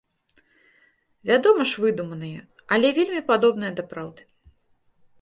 Вядома ж, выдуманыя, але вельмі падобныя да праўды.